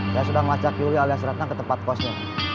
saya sudah melacak yuli alias ratna ke tempat kosnya